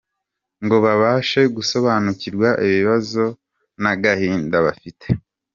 ngo babashe gusobanukirwa ibibazo n’agahinda bafite.